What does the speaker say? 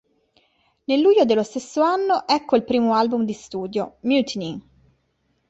Nel luglio dello stesso anno ecco il primo album di studio, "Mutiny!